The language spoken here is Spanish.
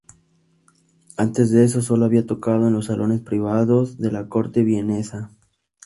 Antes de eso, solo había tocado en los salones privados de la corte vienesa.